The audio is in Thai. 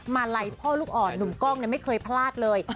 มาลัยพ่อลูกอ่อนหนุ่มกล้องไม่เคยพลาดเลย